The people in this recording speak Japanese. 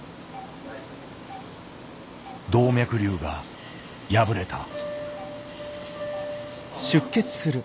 動脈瘤が破れた。